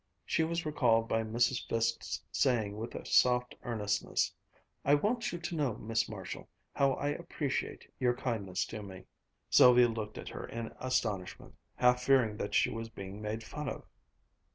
She was recalled by Mrs. Fiske's saying with a soft earnestness, "I want you to know, Miss Marshall, how I appreciate your kindness to me!" Sylvia looked at her in astonishment, half fearing that she was being made fun of.